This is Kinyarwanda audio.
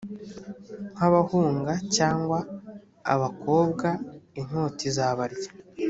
nk abahunga cyangwa abakobwa inkota izabarya